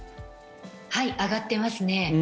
はい、上がってますね。